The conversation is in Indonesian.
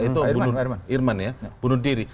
itu irman ya bunuh diri